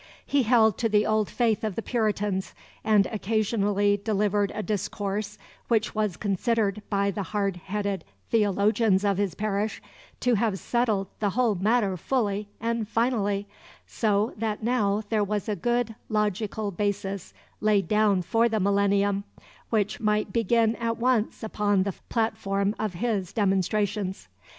He held to the old faith of the Puritans, and occasionally delivered a discourse which was considered by the hard headed theologians of his parish to have settled the whole matter fully and finally, so that now there was a good logical basis laid down for the Millennium, which might begin at once upon the platform of his demonstrations.